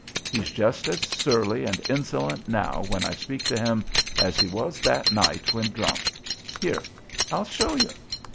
He's just as surly and insolent now when I speak to him as he was that night when drunk. Here, I'll show you."